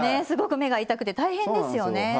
すごく目が痛くて大変ですよね。